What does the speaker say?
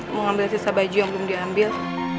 mau ambil sisa baju yang belum diambil